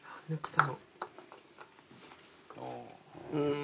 うん。